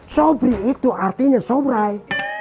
sobri itu artinya sobrai